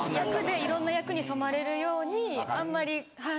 いろんな役に染まれるようにあんまりはい。